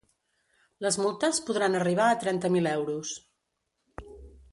Les multes podran arribar a trenta mil euros.